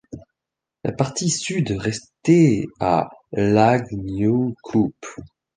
La partie sud restait à Laag-Nieuwkoop.